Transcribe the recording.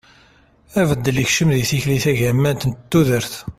abeddel yekcem deg tikli tagamant n tudert